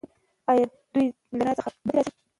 ایا دوی له رڼایي څخه بدې راځي؟